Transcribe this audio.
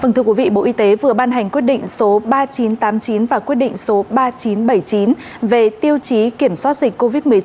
thưa quý vị bộ y tế vừa ban hành quyết định số ba nghìn chín trăm tám mươi chín và quyết định số ba nghìn chín trăm bảy mươi chín về tiêu chí kiểm soát dịch covid một mươi chín